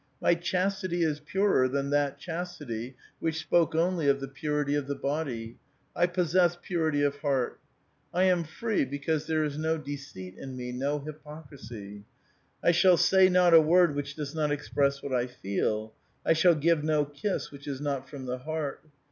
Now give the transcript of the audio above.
My chastity is purer than that 'Chastity' which spoke only of the purity of the body ; I possess purity of heart. I ara free, because there is no deceit in me, no hypocrisy. I shall say not a word which does not express what I feel ; I shall give no kiss which is not from the heart.